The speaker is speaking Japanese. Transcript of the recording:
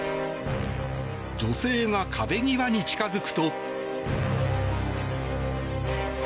女性が壁際に近付くと。